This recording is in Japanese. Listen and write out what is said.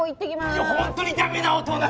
いや本当に駄目な大人！